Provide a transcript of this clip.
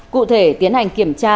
cụ thể tiến hành kiểm tra